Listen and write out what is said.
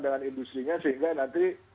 dengan industri nya sehingga nanti